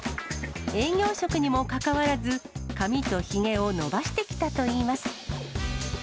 営業職にもかかわらず、髪とひげを伸ばしてきたといいます。